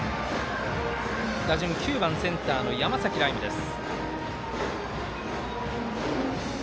打順、９番センターの山崎徠夢です。